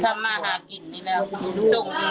ถ้ามมาหากินนี้แล้วก็พรุนส่วน